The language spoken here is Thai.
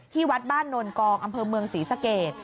วัดบ้านโนนกองอำเภอเมืองศรีสเกต